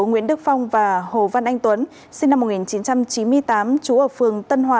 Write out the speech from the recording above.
nguyễn đức phong và hồ văn anh tuấn sinh năm một nghìn chín trăm chín mươi tám chú ở phường tân hòa